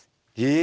え！